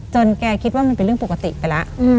แกคิดว่ามันเป็นเรื่องปกติไปแล้ว